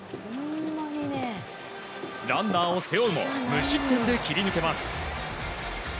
ランナーを背負うも無失点で切り抜けます。